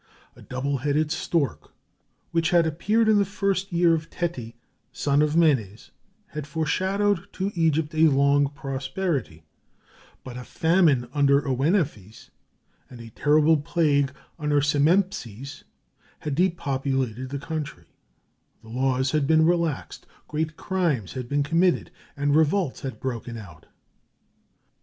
A double headed stork, which had appeared in the first year of Teti, son of Menes, had foreshadowed to Egypt a long prosperity, but a famine under Ouenephes, and a terrible plague under Semempses, had depopulated the country; the laws had been relaxed, great crimes had been committed, and revolts had broken out.